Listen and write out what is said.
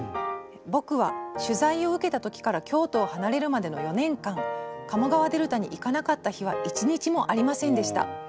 「僕は取材を受けた時から京都を離れるまでの４年間鴨川デルタに行かなかった日は一日もありませんでした。